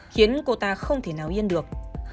khiến cô ta không thể nào yên được